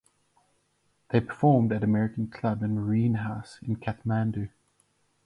They performed at American Club and Marine House in Kathmandu.